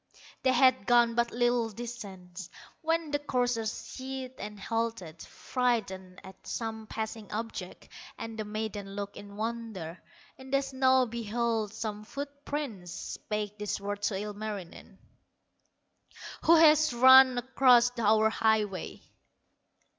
They had gone but little distance, When the courser shied and halted, Frighted at some passing object; And the maiden looked in wonder, In the snow beheld some foot prints, Spake these words to Ilmarinen: "Who has run across our highway?"